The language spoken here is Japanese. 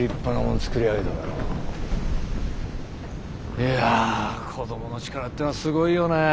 いや子供の力ってのはすごいよねえ。